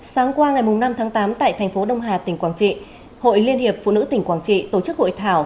sáng qua ngày năm tháng tám tại thành phố đông hà tỉnh quảng trị hội liên hiệp phụ nữ tỉnh quảng trị tổ chức hội thảo